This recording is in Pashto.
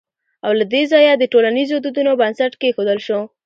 او له دې ځايه د ټولنيزو دودونو بنسټ کېښودل شو